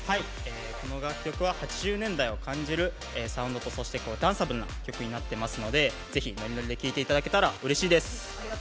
この楽曲は８０年代を感じるサウンドとそしてダンサブルな曲になってますのでぜひ、ノリノリで聴いていただけたらうれしいです。